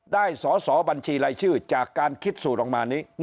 ได้สอบนขี้ลายชื่อจากการคิดสูดออกมานี้